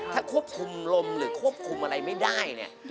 ถ้าควบคุมลมหรือควบคุมอะไรไม่ได้เนี่ย